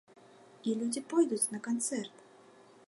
І людзі пойдуць на канцэрт!